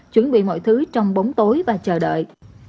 chuẩn bị mọi thứ trong bóng tối và chờ đợi